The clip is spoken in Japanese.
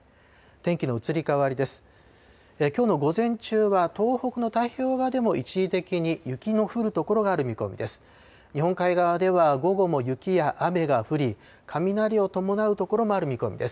天気の移り変わりです。